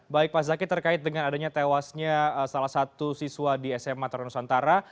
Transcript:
baik pak zaki terkait dengan adanya tewasnya salah satu siswa di sma ternusantara